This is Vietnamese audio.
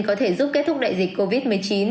có thể giúp kết thúc đại dịch covid một mươi chín